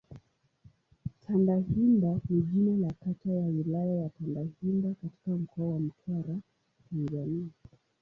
Tandahimba ni jina la kata ya Wilaya ya Tandahimba katika Mkoa wa Mtwara, Tanzania.